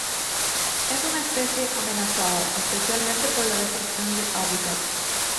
Es una especie amenazada, especialmente por la destrucción de hábitat.